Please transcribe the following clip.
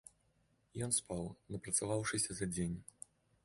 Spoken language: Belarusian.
Ён спаў, напрацаваўшыся за дзень.